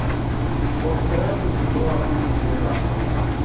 Bostirardik biron ilmiy jurnalga.